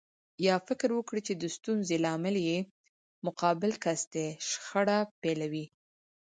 يا فکر وکړي چې د ستونزې لامل يې مقابل کس دی شخړه پيلوي.